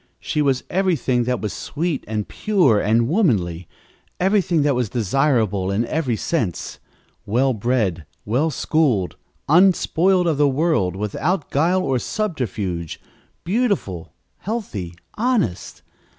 She was everything that was sweet and pure and womanly everything that was desirable in every sense well bred, well schooled, unspoiled of the world, without guile or subterfuge, beautiful, healthy, honest.